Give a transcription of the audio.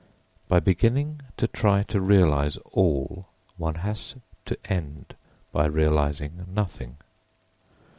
By beginning to try to realise all, one has to end by realising nothing.